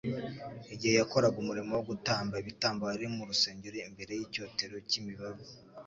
igihe yakoraga umurimo wo gutamba ibitambo ari mu rusengero imbere y'icyotero cy'imibavu.